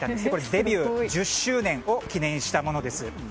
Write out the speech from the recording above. デビュー１０周年を記念したものです。